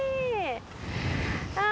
あ！